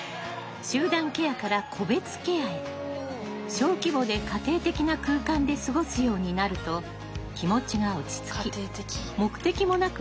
小規模で家庭的な空間で過ごすようになると気持ちが落ち着き目的もなく